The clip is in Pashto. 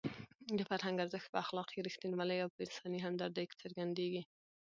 د فرهنګ ارزښت په اخلاقي رښتینولۍ او په انساني همدردۍ کې څرګندېږي.